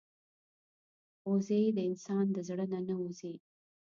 وزې د انسان د زړه نه نه وځي